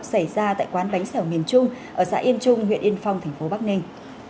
xảy ra tại quán bánh xẻo miền trung ở xã yên trung huyện yên phong tp bắc ninh